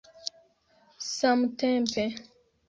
samtempe